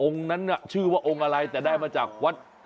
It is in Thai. นั้นชื่อว่าองค์อะไรแต่ได้มาจากวัด